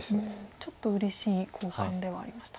ちょっとうれしい交換ではありました。